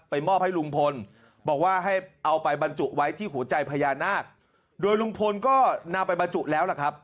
มอบให้ลุงพลบอกว่าให้เอาไปบรรจุไว้ที่หัวใจพญานาคโดยลุงพลก็นำไปบรรจุแล้วล่ะครับ